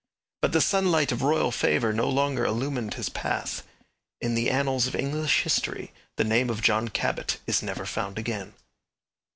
But the sunlight of royal favour no longer illumined his path. In the annals of English history the name of John Cabot is never found again.